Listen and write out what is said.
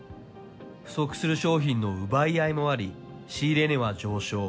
不足する商品の奪い合いもあり、仕入れ値は上昇。